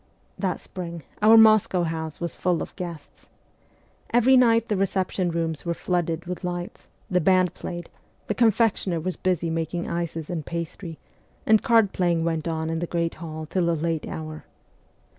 That spring our Moscow house was full of guests. Every night the reception rooms were flooded with lights, the band played, the confectioner was busy making ices and pastry, and card playing went on in the great hall till a late hour.